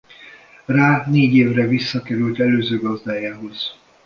Rá négy évre visszakerült előző gazdájához.